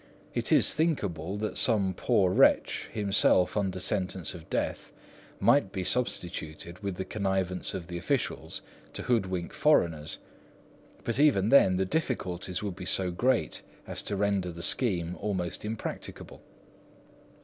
It is thinkable that some poor wretch, himself under sentence of death, might be substituted with the connivance of the officials, to hoodwink foreigners; but even then the difficulties would be so great as to render the scheme almost impracticable.